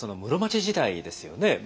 室町時代ですよね